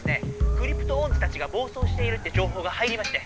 クリプトオンズたちが暴走しているってじょうほうが入りまして。